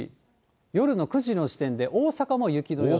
夜の９時の時点で大阪も雪の予想。